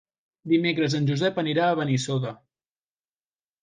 Dimecres en Josep anirà a Benissoda.